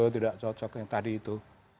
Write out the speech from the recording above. tidak cocok yang tadi itu